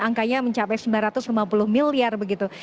angkanya mencapai sembilan ratus lima puluh miliar begitu